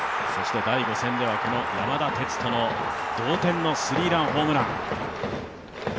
第５戦では山田哲人の同点のスリーランホームラン。